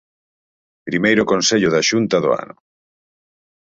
Primeiro Consello da Xunta do ano.